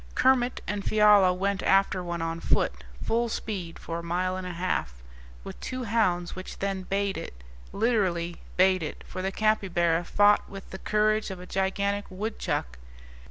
Kermit and Fiala went after one on foot, full speed, for a mile and a half, with two hounds which then bayed it literally bayed it, for the capybara fought with the courage of a gigantic woodchuck.